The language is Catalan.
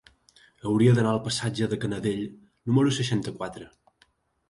Hauria d'anar al passatge de Canadell número seixanta-quatre.